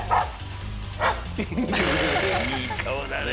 いい顔だねえ。